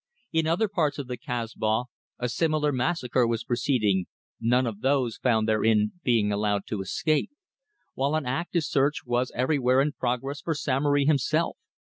In other parts of the Kasbah a similar massacre was proceeding, none of those found therein being allowed to escape; while an active search was everywhere in progress for Samory himself.